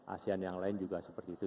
asean yang lain juga seperti itu